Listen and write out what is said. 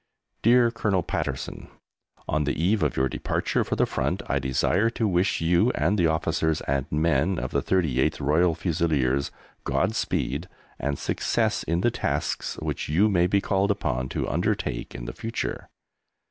DEAR COLONEL PATTERSON, On the eve of your departure for the front I desire to wish you and the officers and men of the 38th Royal Fusiliers God speed, and success in the tasks which you may be called upon to undertake in the future.